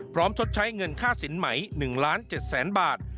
พร้อมชดใช้เงินค่าสินใหม่๑ล้าน๗๐๐บาท